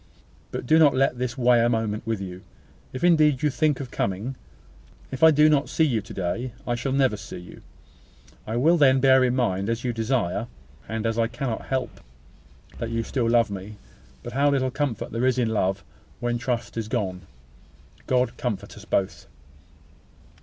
But do not let this weigh a moment with you, if indeed you think of coming. If I do not see you to day, I shall never see you. I will then bear in mind, as you desire, and as I cannot help, that you love me still; but how little comfort is there in such love, when trust is gone! God comfort us both!